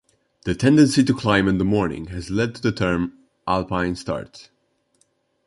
This tendency to climb in the morning has led to the term "Alpine Start".